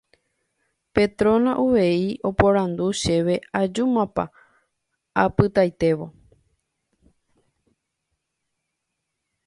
Petrona uvei oporandu chéve ajúmapa apytaitévo